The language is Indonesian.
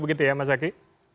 begitu ya mas zaky